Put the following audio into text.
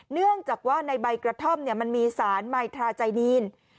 เนื่องจากว่าในใบกระท่อมมันมีสารไมทราไจนีน